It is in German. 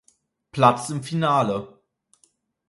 Platz im Finale.